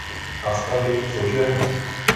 Astabi-cože?